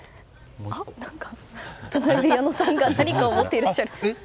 矢野さんが何かをもっていらっしゃいます。